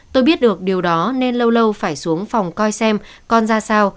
tôi biết được điều đó nên lâu lâu phải xuống phòng coi xem con ra sao